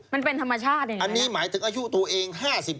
มันเป็นธรรมชาติเองอันนี้หมายถึงอายุตัวเอง๕๔